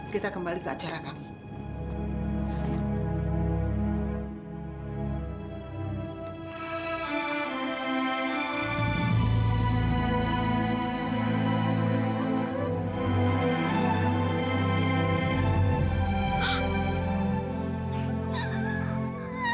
kita kembali ke acara kami